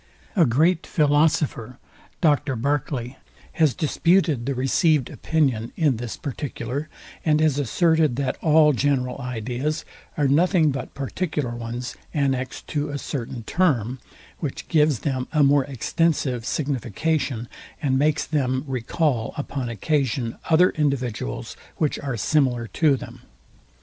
A great philosopher has disputed the received opinion in this particular, and has asserted, that all general ideas are nothing but particular ones, annexed to a certain term, which gives them a more extensive signification, and makes them recall upon occasion other individuals, which are similar to them.